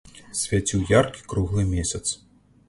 Свяціў яркі круглы месяц.